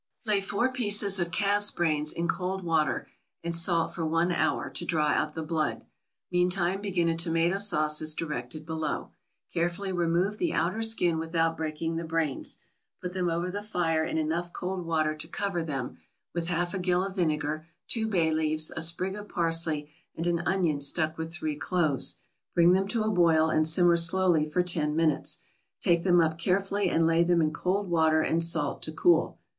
= Lay four pieces of calf's brains in cold water and salt for one hour, to draw out the blood; meantime begin a tomato sauce as directed below; carefully remove the outer skin without breaking the brains; put them over the fire in enough cold water to cover them, with half a gill of vinegar, two bay leaves, a sprig of parsley, and an onion stuck with three cloves; bring them to a boil, and simmer slowly for ten minutes; take them up carefully, and lay them in cold water and salt to cool.